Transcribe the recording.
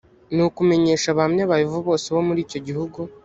ni ukumenyesha abahamya ba yehova bose bo muri icyo gihugu